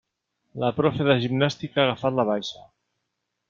La profe de gimnàstica ha agafat la baixa.